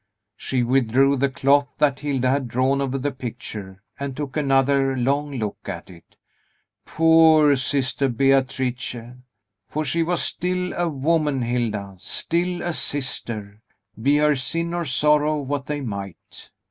She withdrew the cloth that Hilda had drawn over the picture, and took another long look at it. "Poor sister Beatrice! for she was still a woman, Hilda, still a sister, be her sin or sorrow what they might.